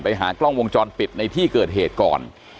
หากล้องวงจรปิดในที่เกิดเหตุก่อน